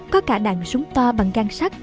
có cả đạn súng to bằng găng sắt